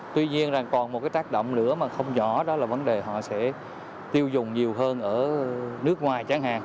tuy nhiên còn một cái tác động nữa mà không nhỏ đó là vấn đề họ sẽ tiêu dùng nhiều hơn ở nước ngoài chẳng hạn